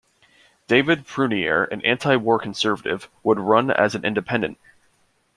David Prunier, an anti-war conservative, would run as an independent.